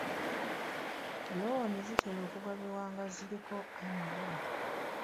Looni zitera okugabibwa nga ziriko amagoba.